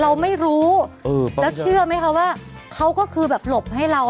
เราไม่รู้แล้วเชื่อไหมคะว่าเขาก็คือแบบหลบให้เรา